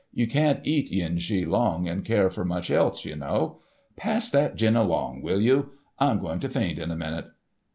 You can't eat yen shee long and care for much else, you know. Pass that gin along, will you? I'm going to faint in a minute."